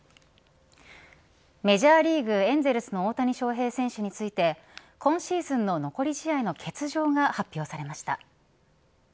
メジャーリーグ、エンゼルスの大谷翔平選手について今シーズンの残り試合の欠場が発表されました。